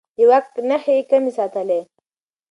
د واک نښې يې کمې ساتلې.